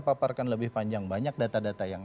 paparkan lebih panjang banyak data data yang